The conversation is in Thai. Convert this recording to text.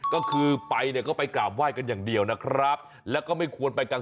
ก็คือไปเนี่ยไปกราบไหว้แค่เดียวนะครับแล้วก็ไม่ควรไปกลางคืน